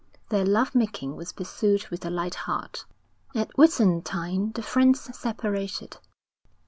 Their love making was pursued with a light heart. At Whitsuntide the friends separated.